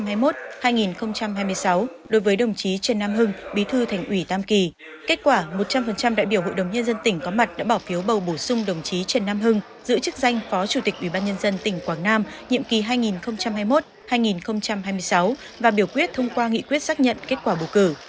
hội đồng nhân dân tỉnh quảng nam khóa một mươi nhiệm kỳ hai nghìn hai mươi một hai nghìn hai mươi sáu và biểu quyết thông qua nghị quyết xác nhận kết quả bầu cử